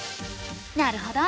なるほど。